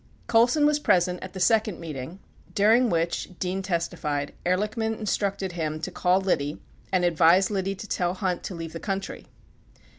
93 Colson was present at the second meeting, during which, Dean testi fied, Ehrlichman instructed him to call Liddy and advise Liddy to tell Hunt to leave the country.